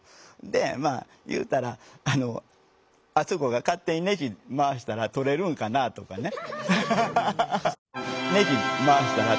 でまあ言うたらあのアソコが勝手にネジまわしたら取れるんかなぁとかね。